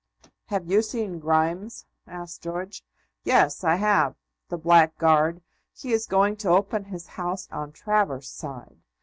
"Have you seen Grimes?" asked George. "Yes, I have; the blackguard! He is going to open his house on Travers's side.